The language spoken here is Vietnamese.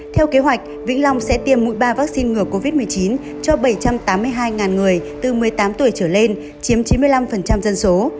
theo kế hoạch vĩnh long sẽ tiêm mũi ba vaccine ngừa covid một mươi chín cho bảy trăm tám mươi hai người từ một mươi tám tuổi trở lên chiếm chín mươi năm dân số